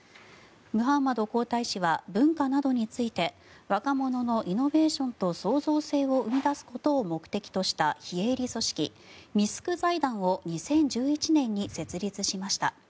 ムハンマド皇太子は文化などについて若者のイノベーションと創造性を生み出すことを目的とした非営利組織ミスク財団を２０１１年に設立しました。